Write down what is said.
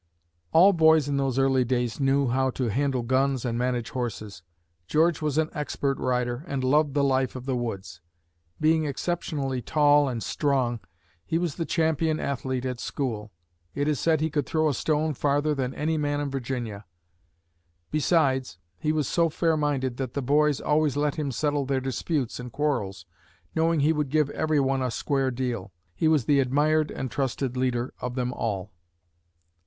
All boys in those early days knew how to handle guns and manage horses. George was an expert rider and loved the life of the woods. Being exceptionally tall and strong, he was the champion athlete at school. It is said he could throw a stone farther than any man in Virginia. Besides, he was so fair minded that the boys always let him settle their disputes and quarrels, knowing he would give every one a square deal. He was the admired and trusted leader of them all.